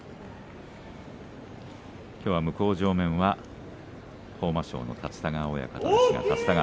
きょうは向正面は豊真将の立田川親方です。